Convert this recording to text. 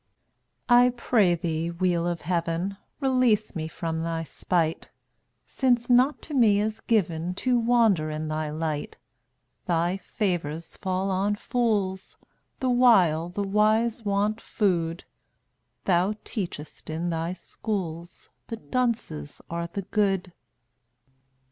203 I pray thee, Wheel of Heaven, Release me from thy spite, Since not to me is given To wander in thy light. Thy favors fall on fools The while the wise want food; Thou teachest in thy schools The dunces are the good.